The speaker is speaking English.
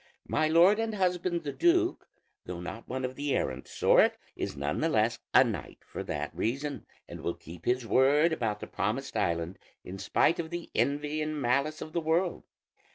My lord and husband the duke, though not one of the errant sort, is none the less a knight for that reason, and will keep his word about the promised island in spite of the envy and malice of the world.